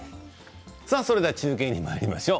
それでは中継にまいりましょう。